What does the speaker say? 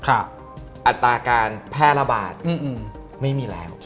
อัตราการแพร่ระบาดไม่มีแล้ว